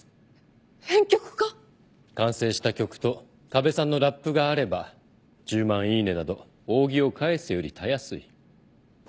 完成した曲とＫＡＢＥさんのラップがあれば１０万イイネなど扇を返すよりたやすい。